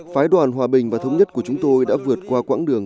phái đoàn hòa bình và thống nhất của chúng tôi đã vượt qua quãng đường